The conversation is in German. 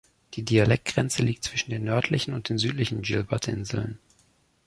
Die Dialektgrenze liegt zwischen den nördlichen und den südlichen Gilbertinseln.